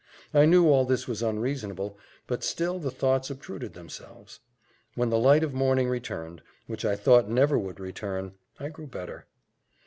I knew all this was unreasonable, but still the thoughts obtruded themselves. When the light of morning returned, which I thought never would return, I grew better.